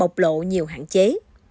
độ nhiều hạn chế